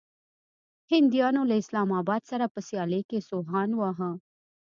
هنديانو له اسلام اباد سره په سيالۍ کې سوهان واهه.